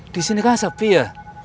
di sini kan sapi ya